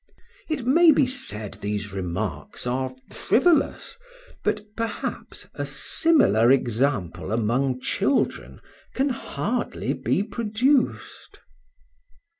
It may be said, these remarks are frivolous; but, perhaps, a similiar example among children can hardly be produced.